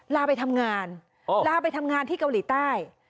ลาไปทำงานลาไปทำงานที่เกาหลีใต้